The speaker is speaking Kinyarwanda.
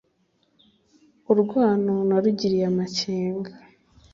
Urwano narugiriye amakenga